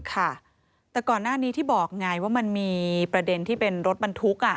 ค่ะแต่ก่อนหน้านี้ที่บอกไงว่ามันมีประเด็นที่เป็นรถบรรทุก